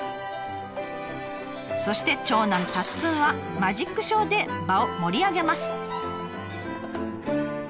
そして長男たっつんはマジックショーで場を盛り上げます。